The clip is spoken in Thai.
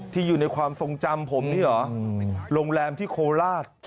อยู่ในความทรงจำผมนี่เหรอโรงแรมที่โคราช